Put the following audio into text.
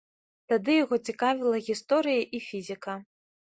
Тады яго цікавіла гісторыя і фізіка.